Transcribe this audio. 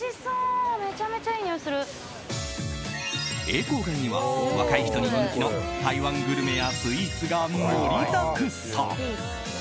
永康街には若い人に人気の台湾グルメやスイーツが盛りだくさん。